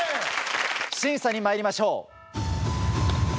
審査にまいりましょう。